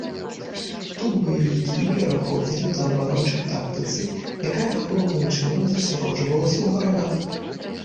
Тут баевікі пераходзілі да абарончай тактыцы, якая галоўным чынам засяроджвалася ў гарадах.